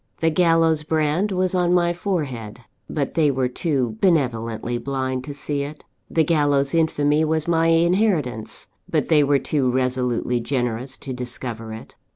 The gallows brand was on my forehead; but they were too benevolently blind to see it. The gallows infamy was my inheritance; but they were too resolutely generous to discover it!